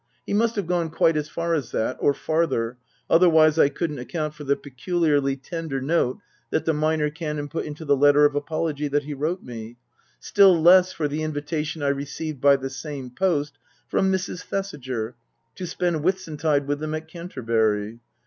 He must have gone quite as far as that, or farther, otherwise I couldn't account for the peculiarly tender note that the Minor Canon put into the letter of apology that he wrote me, still less for the invitation I received by the same post from Mrs. Thesiger to spend Whitsuntide with them at Canterbury.